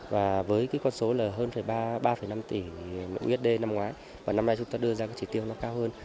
với con số hơn ba năm tỷ usd năm ngoái năm nay chúng ta đưa ra chỉ tiêu cao hơn